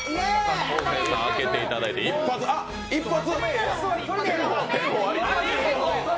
開けていただいて、一発？